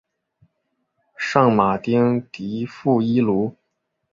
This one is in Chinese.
圣马丁迪富伊卢。